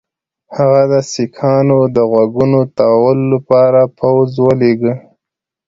هغه د سیکهانو د غوږونو تاوولو لپاره پوځ ولېږه.